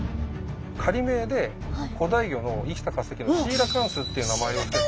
仮名で古代魚の生きた化石のシーラカンスっていう名前を付けて。